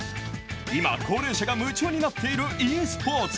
今、高齢者が夢中になっているｅスポーツ。